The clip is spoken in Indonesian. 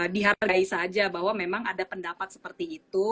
dihargai saja bahwa memang ada pendapat seperti itu